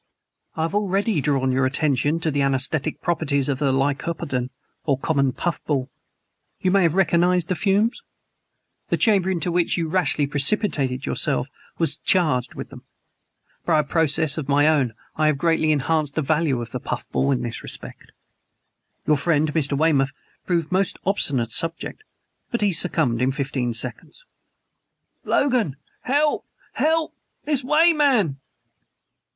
I have already drawn your attention to the anaesthetic properties of the lycoperdon, or common puff ball. You may have recognized the fumes? The chamber into which you rashly precipitated yourselves was charged with them. By a process of my own I have greatly enhanced the value of the puff ball in this respect. Your friend, Mr. Weymouth, proved the most obstinate subject; but he succumbed in fifteen seconds." "Logan! Help! HELP! This way, man!"